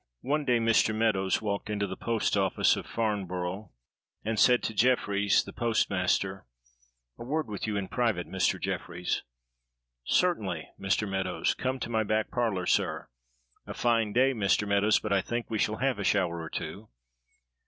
ONE day Mr. Meadows walked into the post office of Farnborough and said to Jefferies, the postmaster, "A word with you in private, Mr. Jefferies." "Certainly, Mr. Meadows come to my back parlor, sir; a fine day, Mr. Meadows, but I think we shall have a shower or two."